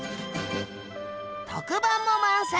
特番も満載！